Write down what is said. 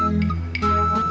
ya aku mau